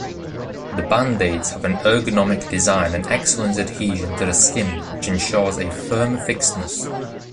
The band-aids have an ergonomic design and excellent adhesion to the skin, which ensures a firm fixedness.